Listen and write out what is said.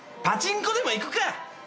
パチンコでも行くか！